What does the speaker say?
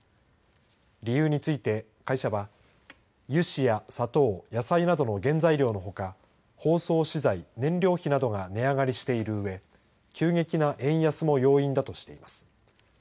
理由について会社は油脂や砂糖野菜などの原材料のほか包装資材、燃料費などが値上がりしているうえ急激な円安も要因だとしています。